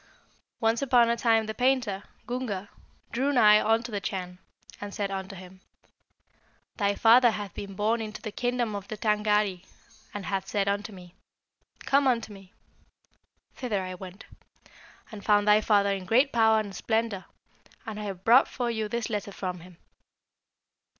"Once upon a time the painter, Gunga, drew nigh unto the Chan, and said unto him, 'Thy father hath been borne into the kingdom of the Tângâri, and hath said unto me, "Come unto me!" Thither I went, and found thy father in great power and splendour; and I have brought for you this letter from him.'